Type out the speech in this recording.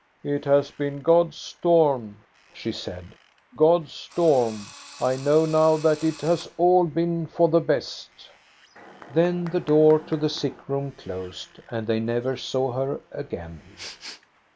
" It has been God's storm," she said, —God's storm. I know now that it has all been for the best !" Then the door to the sick room closed, and they never saw her again.